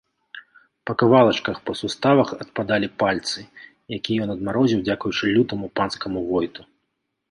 Па кавалачках, па суставах адпадалі пальцы, якія ён адмарозіў дзякуючы лютаму панскаму войту.